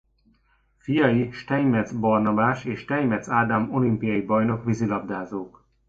Fiai Steinmetz Barnabás és Steinmetz Ádám olimpiai bajnok vízilabdázók.